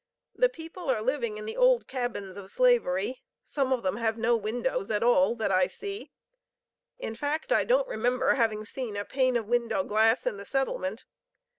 The people are living in the old cabins of slavery; some of them have no windows, at all, that I see; in fact, I don't remember of having seen a pane of window glass in the settlement.